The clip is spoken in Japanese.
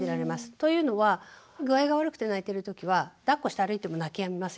というのは具合が悪くて泣いてるときはだっこして歩いても泣きやみません。